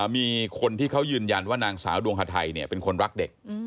มีคนที่เขายืนยันว่านางสาวดวงฮาไทยเป็นคนรักเด็ก